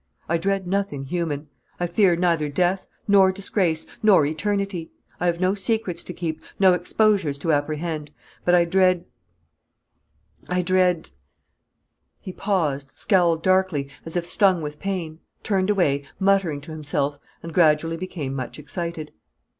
"I dread nothing human; I fear neither death, nor disgrace, nor eternity; I have no secrets to keep no exposures to apprehend; but I dread I dread " He paused, scowled darkly, as if stung with pain, turned away, muttering to himself, and gradually became much excited.